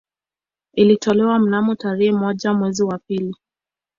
Ilitolewa mnamo tarehe moja mwezi wa pili